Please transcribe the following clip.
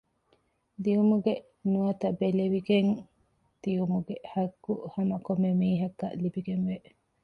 ދިޔުމުގެ ނުވަތަ ބެލެވިގެން ދިޔުމުގެ ޙައްޤު ހަމަކޮންމެ މީހަކަށް ލިބިގެންވޭ